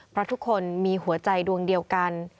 เพราะทุกคนมีหัวใจดวงเดียวกัน